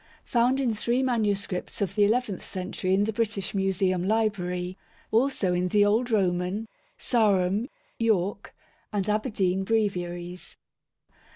Found in three MSS. of the eleventh century in the British Museum Library; also in the old Roman, Sarum, York, and Aberdeen Breviaries.